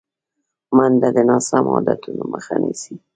منډه د ناسم عادتونو مخه نیسي